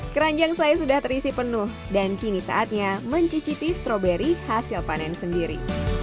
keranjang saya sudah terisi penuh dan kini saatnya mencicipi stroberi hasil panen sendiri